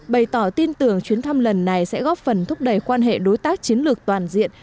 bày tỏ tin tưởng chuyến thăm lần này sẽ góp phần thúc đẩy quan hệ đối tác chiến lược toàn diện